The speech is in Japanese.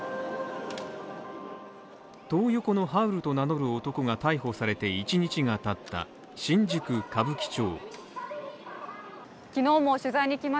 トー横のハウルと名乗る男が逮捕されて１日が経った新宿歌舞伎町。